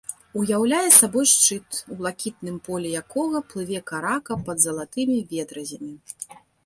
Уяўляе сабой шчыт, у блакітным поле якога плыве карака пад залатымі ветразямі.